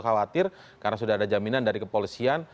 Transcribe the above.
khawatir karena sudah ada jaminan dari kepolisian